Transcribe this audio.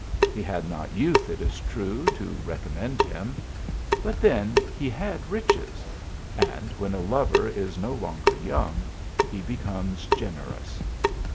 He had not youth, it is true, to recommend him, but then e had riches ; and when a lover is no longer young , e becomes generous.